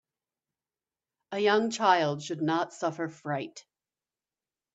A young child should not suffer fright.